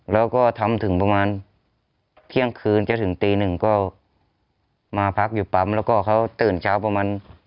แล้วก็ทำถึงประมาณเที่ยงคืนจะถึงตีหนึ่งก็มาพักอยู่ปั๊มแล้วก็เขาตื่นเช้าประมาณ